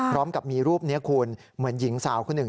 พร้อมกับมีรูปนี้คุณเหมือนหญิงสาวคนหนึ่ง